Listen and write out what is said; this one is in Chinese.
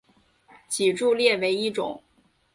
脊柱裂为一种。